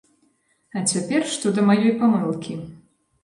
А цяпер, што да маёй памылкі.